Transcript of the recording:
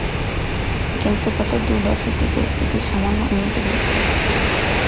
কিন্তু গত দু’দশকে পরিস্থিতির সামান্য উন্নতি হয়েছে।